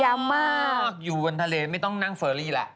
มากอยู่บนทะเลไม่ต้องนั่งเฟอรี่แล้ว